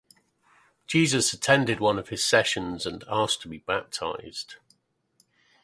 Jesus attended one of his sessions and asked to be baptized.